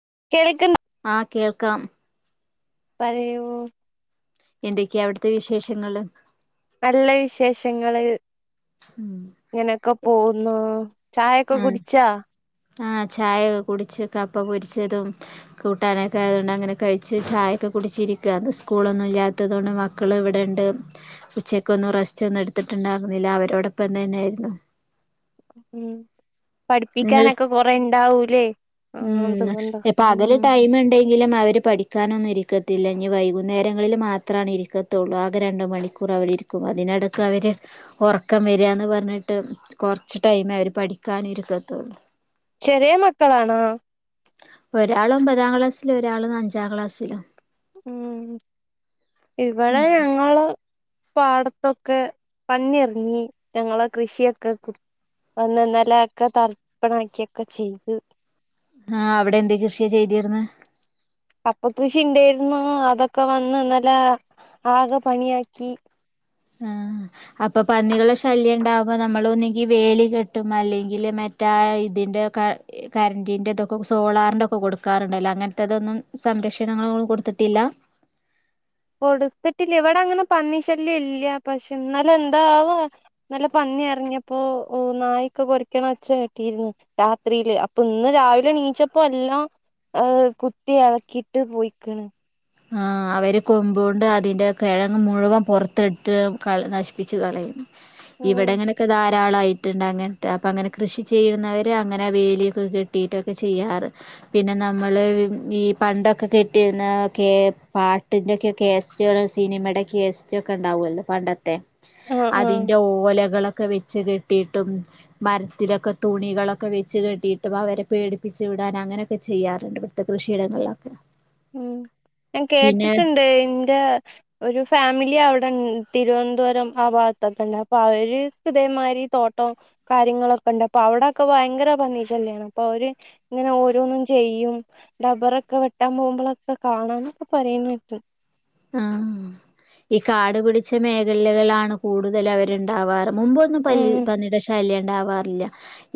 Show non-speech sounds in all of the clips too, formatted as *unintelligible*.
*unintelligible* ആഹ് കേൾക്കാം. പറയൂ. എന്തൊക്കെയാ അവിടുത്തെ വിശേഷങ്ങള്? നല്ല വിശേഷങ്ങള്. ഉം ഇങ്ങനെയൊക്കെ പോകുന്നു. ചായൊക്കെ ആഹ് കുടിച്ചാ? ആഹ് ചായൊക്കെ കുടിച്ച് കപ്പ പൊരിച്ചതും കൂട്ടാനൊക്കെ ആയതുകൊണ്ട് അങ്ങനെ കഴിച്ച് ചായൊക്കെ കുടിച്ചിരിക്ക. സ്കൂളൊന്നും ഇല്ലാത്തത കൊണ്ട് മക്കൾ ഇവിടെണ്ട് ഉച്ചക്കൊന്നും റെസ്റ്റ് ഒന്നും എടുത്തിട്ടുണ്ടായിരുന്നില്ല അവരോടൊപ്പ എന്ത തന്നെയായിരുന്നു. ഉം നിങ്ങൾ പഠിപ്പിക്കാനൊക്കെ കുറെ ഇണ്ടാവൂലേ. ഉം ഇപ്പൊ അകല് ടൈമ ഉണ്ടെങ്കിലും അവര് പഠിക്കാനൊന്നും ഇരിക്കത്തില്ല. ഇങ്കി വൈകുന്നേരങ്ങളില് മാത്രാണ് ഇരിക്കത്തുള്ളൂ. ആകെ രണ്ട മണിക്കൂർ അവവിടെ ഇരിക്കും അതിനെടക്ക് അവർ ഉറക്കം വരികന്ന് പറഞ്ഞിട്ട് കൊ ഉച്ച ടൈമ അവര് പഠിക്കാനി *unintelligible* ചെറിയ മക്കളാണാ? ഒരാള ഒമ്പതാം ക്ലാസ്സില. ഒരാള അഞ്ചാം ക്ലാസ്സില. ഉം ഇവിടെ ഉം ഞങ്ങള് പാടത്തൊക്കെ പന്നിറിങ്ങി ഞങ്ങളെ കൃഷിയൊക്കെ വന്ന് നിലൊക്കെ തർപ്പണക്കിക്കെ ചെയ്തു. ആഹ് അവിടെ എന്ത കൃഷിയ ചെയ്തിരന്ന് കപ്പ കൃഷി ഉണ്ടായിരുന്നു. അതൊക്കെ വന്ന് നല്ല ആക പണിയാക്കി ആ അപ്പൊ പന്നികള് ശല്യം ഉണ്ടാവുമ്പോ നമ്മൾ ഒന്നങ്കി വേലി കെട്ടും അല്ലെങ്കില് മറ്റേ ഇതിന്റെ കരന്റിന്റെ ഇതൊക്കെ സോളാറിന്റെ ഒക്കെ കൊടുക്കാറുണ്ടല്ലോ അങ്ങനത്തെതൊന്നും സംരക്ഷണങ്ങള ഒന്നും കൊടുത്തിട്ടില്ല. കൊടുത്തിട്ടില്ല ഇവിടെ അങ്ങനെ പന്നി ശല്യം ഇല്ല. പക്ഷെ ഇന്നലെ എന്താവാ നല്ല പന്നി അറഞ്ഞപ്പോൊ നായൊക്കെ കൊരക്കണം വച്ച കട്ടിന്ന് രാത്രിയില് അപ്പൊ ഇന്ന് രാവിലെണീച്ചപ്പോ എല്ലാം ർ കുത്തി ഇളക്കിട്ട് പോയിക്കണ്. ആ അവര് കൊമ്പോണ്ട് അതിന്റെ കെഴങ്ങ് മുഴുവൻ പുറത്തെടുത്ത് നശിപ്പിച്ച് കളയും. ഉം ഇവിടെങ്ങനെയൊക്കെ ധാരാളായി ങ്ങനത്തെ അപ്പ അങ്ങനെ കൃഷി ചെയ്യുന്നവർ അങ്ങനെ ആ വേലിയൊക്കെ കെട്ടിയിട്ടൊക്കെ ചെയ്യാറ് പിന്നെ നമ്മൾ ഈ പണ്ടൊക്കെ കെട്ടിയിരുന്ന കേപാട്ടിൻ്റെക്കെ കേസറ്റസിനിമയുടെ കേെസ്റ്റൊക്കെ ഉണ്ടാവുമല്ലോ പണ്ടത്തെ ആഹ് ആഹ് അതിന്റെ ഓലകളൊ ഒക്കെ വെച്ച് കെട്ടിയിട്ടും മരത്തിലൊക്കെ തുണികളൊക്കെ വെച്ച് കെട്ടിയിട്ടും അവരെ പേടിപ്പിച്ചു വിടാൻ അങ്ങനെയൊക്കെ ചെയ്യാറുണ്ട്. ഇവിടുത്തെ കൃഷിയിടങ്ങളിലൊക്കെ. ഉം ഞാൻ പിന്നെ കേട്ടിട്ടുണ്ട്. എന്റെ ഒരു ഫാമിലി അവി തിരുവനന്തപുരം ആ ഭാഗത്തൊക്കെ ഉണ്ട് അപ്പൊ അവര് ഹൃതേമാതിരി തോട്ടം കാര്യങ്ങളൊക്കെ ഉണ്ട് അപ്പൊ അവിടൊക്കെ ഭയങ്കര പന്നി ശല്യം അപ്പൊ അവര് ഇങ്ങനെ ഓരോന്നും ചെയ്യും ഡബറൊക്കെ വെട്ടാൻ പോ നമ്മളൊക്കെ കാണന്നൊക്കെ പറയുന്ന് ആ ഈ കാടുപിടിച്ച മേഖലകളാണ് കൂടുതൽ അവരുണ്ടാവാറ്. മുമ്പൊന്നും ഉം പന്നിട ശല്യ ഉണ്ടാവാറില്ല.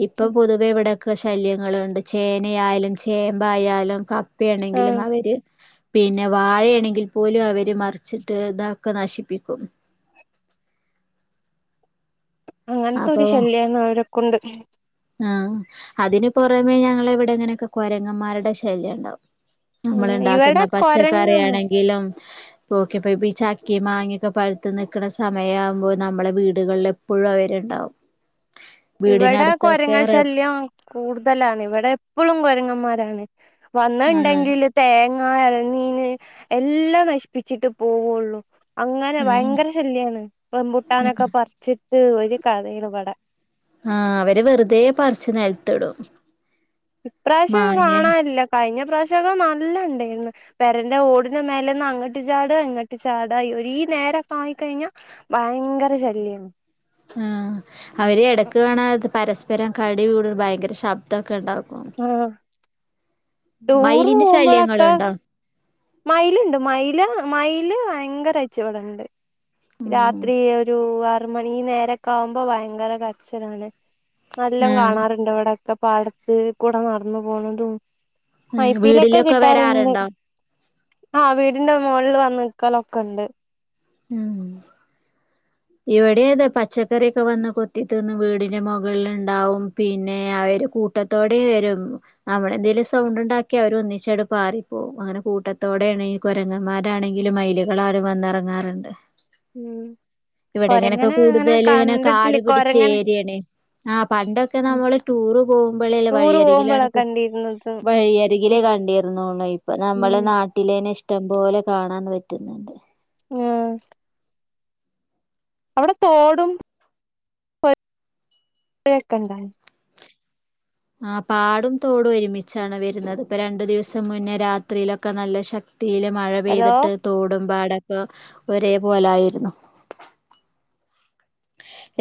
ഇപ്പം പൊതുവെ ഇവിടെ ക്ക ശല്യങ്ങളുണ്ട് ചേനയായാലും ചേമ്പായാലും ക പ്പെണെങ്കിലും ആഹ് അവര് പിന്നെ വാഴെണെങ്കി പോലും അവര് മറിച്ചിട്ട് ഇതാക്കെ നശിപ്പിക്കും അങ്ങനത്തെ ഒരു അപ്പൊ ശല്യന്ന് അവരൊക്കൊണ്ട് ആഹ് അതിന് പൊറമേ ഞങ്ങളിവിടിങ്ങനൊക്കെ കൊരങ്ങന്മാരുടെ ശല്യണ്ടാവും ഉം ഇവിടെ നമ്മളിണ്ടാക്കുന്ന കൊരങ്ങൊന്നും പച്ചക്കറിയാണെങ്കിലും ഓകെപേപി ചക്കേം മാങ്ങെക്കെ പഴുത്ത് നിക്കണ സമയാവുമ്പൊ നമ്മളെ വീടുകളിൽ എപ്പഴും അവരിണ്ടാവും ഇവടെ കൊരങ്ങാ ശല്യം കൂടുതലാണ് ഇവടെ എപ്പളും കൊരങ്ങ- മാരാണ് ആഹ് വന്ന്ണ്ടെങ്കില് തേ- ആ എല്നീന് എല്ലാം നശിപ്പിച്ചിട്ട് പോവൊള്ളു അങ്ങനെ ഉം ഭയങ്കര ശല്യാണ് റംമ്പുട്ടാനക്കെ പറിച്ച് ത് ഒരു കഥയിലിപടെ ആഹ് അവര് വെറ്തേ പറിച്ച് നെലത്തിടും ഇപ്രാശ്യം കാണാല്ല കഴിഞ്ഞ ഇപ്രാശകെ നല്ലണ്ടായിന്ന് പെരന്റെ ഓട്ന്റെ മേലന്ന് അങ്ങട്ട്ചാടാ ഇങ്ങട്ട്ചാടാ ഒരീ നേരക്കെ ആയികഴിഞ്ഞാ ഭയങ്കര ശല്ല്യേന്ന് ആഹ് അവര് എടക്ക് കാണാത് പരസ് പ്പരം കടികൂട് ഭയങ്കര ശബ്ദൊക്കെണ്ടാവും ആഹ് മയിലിന്റെ ശല്യങ്ങള്ണ്ടോ മയില്ണ്ട് മയില മയില് ഭയങ്കരാച്ചിവിടണ്ട് ഉം രാത്രി ഒരു ആഹ് ആറ്മണി ഈ നേരൊക്കാവുമ്പൊ ഭയങ്കര കര്ച്ചിലാണ് നല്ലും ആഹ് കാണാറുണ്ടിവിടെ ക്കെ പാടത്ത് കൂടെ നടന്ന്പോണതും ഉം വീടിലൊക്കെ വരാറുണ്ടോ ആഹ് വീടിന്റെ മോൾല് വന്ന് നിക്കലൊക്കൊണ്ട് ഉം ഇവിടേതെ പച്ചക്കറിക്കെവന്ന് കൊത്തിതിന്ന് വീടിന്റെ മൊകൾലിണ്ടാവും പിന്നെ അവര് കൂട്ടത്തോടെവരും നമ്മളെന്തേലും സൗണ്ടുണ്ടാക്ക്യ അവര് ഒന്നിച്ചാടു പാറിപ്പോവും അങ്ങനെ കൂട്ടത്തോടെ ആണി കൊരങ്ങന്മാരാണെങ്കിലും മൈലുകളാരും വന്നെറങ്ങാറ്ണ്ട് ഉം ഇവടെ ഇങ്ങനൊക്കെ കൊരങ്ങനെ അങ്ങനെ കൂടുതൽ ഇങ്ങനെ കണ്ടിട്ടില്ല കാട് കൊരങ്ങനെ പിടിച്ചേരിയേണേ. ആഹ് പണ്ടൊക്കെ നമ്മള് ടൂറ് പോവുമ്പളലെ ടൂറ് വഴിയരികിലാണ് പോകുമ്പോളാ കണ്ടിരുന്നത് വഴിയരികിലേ കണ്ടീര്ന്നൊള്ളു ഇപ്പനമ്മള് ഉം നാട്ടിലേന്നെ ഇഷ് ടം പോലെ കാണാൻ പറ്റുന്ന്ണ്ട്. ആഹ് അവിടെ തോടും *unintelligible* *inaudible* ഴേക്കെണ്ടാ? ആഹ് പാടും തോടും ഒരുമിച്ചാണ് വരുന്നത്. ഇപ്പ രണ്ടു ദിവസം മുന്നേ രാത്രിലൊക്കെ നല്ല ശക് തീല് മഴ ഹലോ പെയ്തിട്ട് തോടുംമ്പാ ടൊപ്പ ഒരേ പോലായിരുന്നു.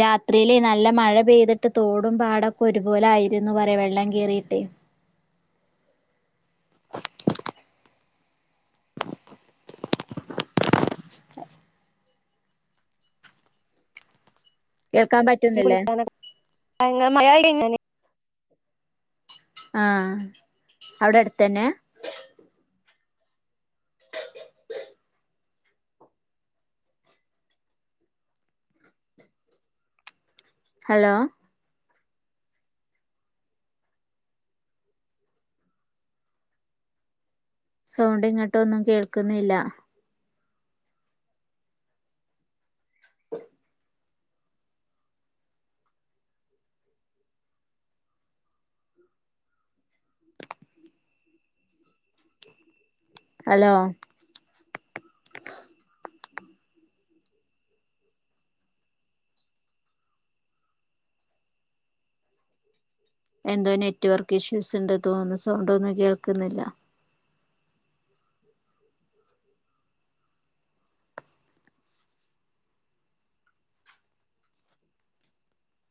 രാത്രിയിലെ നല്ല മഴ പെയ്തിട്ട് തോടും പാടൊക്കെ ഒരുപോലെ ആയിരുന്നു പറ്യാ വെള്ളം കേറിയിട്ടെ. കേൾക്കാൻ പറ്റുന്നില്ലേ? വിളിക്കാനൊ *unintelligible* ആഹ് അവിടെ അടുത്തന്നെ. ഹലോ സൗണ്ട് ഇങ്ങട്ടും ഒന്നും കേൾക്കുന്നില്ല. ഹലോ എന്തോ നെറ്റ്വർക്ക്‌ ഇഷ്യൂസ് ഉണ്ട് തോന്നുന്നു സൗണ്ടൊന്നും കേൾക്കുന്നില്ല